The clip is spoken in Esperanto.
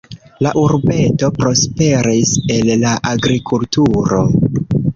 La urbeto prosperis el la agrikulturo.